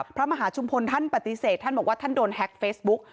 พระมหาชุมพลท่านปฏิเสธท่านบอกว่าท่านโดนแฮ็กเฟซบุ๊ก